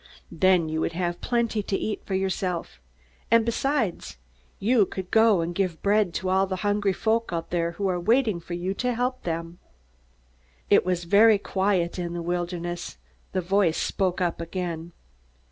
Then you would have plenty to eat for yourself, and, besides, you could go and give bread to all the hungry folk out there who are waiting for you to help them._" It was very quiet in the wilderness. The voice spoke up again.